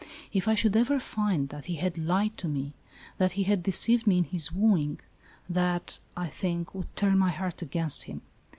If I should ever find that he had lied to me that he had deceived me in his wooing — that, I think, would turn my heart against him.